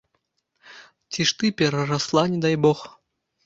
Ці ж ты перарасла, не дай бог!